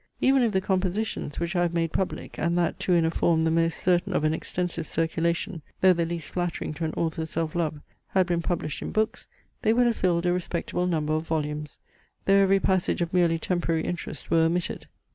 Even if the compositions, which I have made public, and that too in a form the most certain of an extensive circulation, though the least flattering to an author's self love, had been published in books, they would have filled a respectable number of volumes, though every passage of merely temporary interest were omitted.